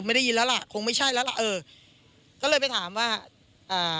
ได้ยินแล้วล่ะคงไม่ใช่แล้วล่ะเออก็เลยไปถามว่าอ่า